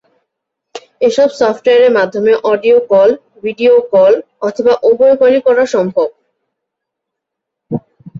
এসব সফটওয়্যারের মাধ্যমে অডিও কল বা ভিডিও কল অথবা উভয়ই করা সম্ভব।